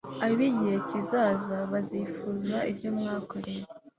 ab igihe kizaza bazifuza ibyo mwakorewe